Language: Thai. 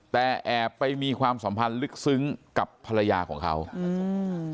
แต่แอบไปมีความสัมพันธ์ลึกซึ้งกับภรรยาของเขาอืม